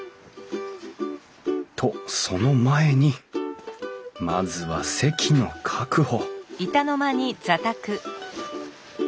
とその前にまずは席の確保